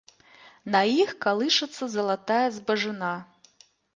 На іх калышацца залатая збажына.